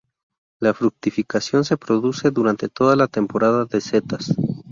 La fructificación se produce durante toda la temporada de setas.